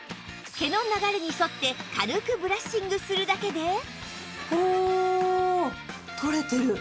毛の流れに沿って軽くブラッシングするだけで